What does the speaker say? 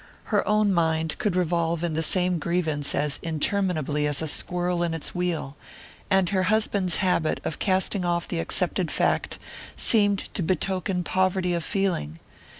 Her own mind could revolve in the same grievance as interminably as a squirrel in its wheel, and her husband's habit of casting off the accepted fact seemed to betoken poverty of feeling.